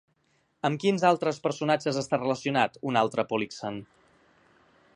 Amb quins altres personatges està relacionat un altre Polixen?